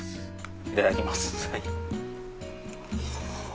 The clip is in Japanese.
いただきますはい。